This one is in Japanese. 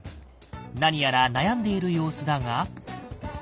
何やら悩んでいる様子だが。